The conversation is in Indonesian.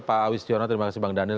pak awis tiongho terima kasih bang daniel